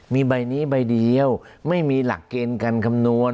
มีใบนี้ใบเดียวไม่มีหลักเกณฑ์การคำนวณ